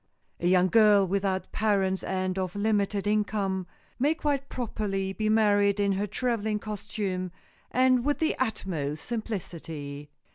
A young girl without parents and of limited income may quite properly be married in her traveling costume and with the utmost simplicity.